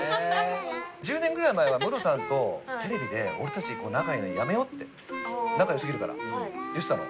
１０年ぐらい前はムロさんとテレビで俺たち仲いいのやめようって仲良過ぎるから言ってたの。